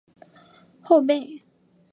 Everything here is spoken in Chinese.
身为后辈的我们